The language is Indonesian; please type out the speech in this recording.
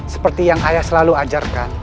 seperti yang ayah selalu ajarkan